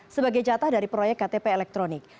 sebagai jatah dari proyek ktp elektronik